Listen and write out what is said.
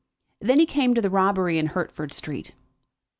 Then he came to the robbery in Hertford Street.